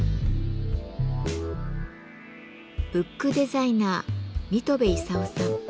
ブックデザイナー水戸部功さん。